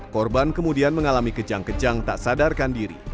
korban kemudian mengalami kejang kejang tak sadarkan diri